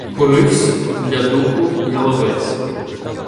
Куривсь для духу яловець.